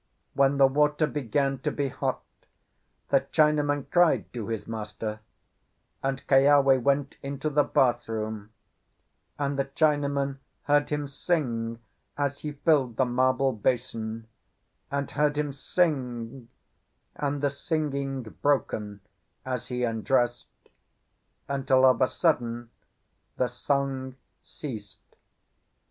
When the water began to be hot the Chinaman cried to his master; and Keawe went into the bathroom; and the Chinaman heard him sing as he filled the marble basin; and heard him sing, and the singing broken, as he undressed; until of a sudden, the song ceased.